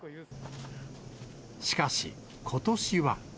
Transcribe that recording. しかし、ことしは。